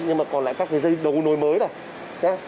nhưng mà còn lại các cái dây đấu nối mới cả